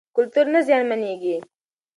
کلتور نه زیانمنېږي.